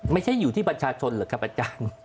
ไม่ใช่อยู่ที่ประชาชนเหรอครับอาจารย์